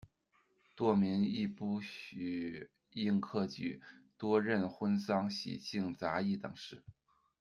堕民亦不许应科举，多任婚丧喜庆杂役等事。